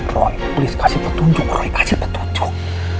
roy please kasih petunjuk roy kasih petunjuk